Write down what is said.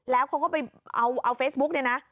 แล้วเขาก็ไปเอาเฟซบุ๊กเนี่ยนะ